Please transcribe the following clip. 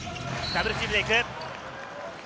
ダブルチームでいく。